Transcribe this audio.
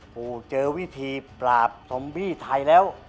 ปู่เจอวิธีปราบสมบี้ไทยแล้ว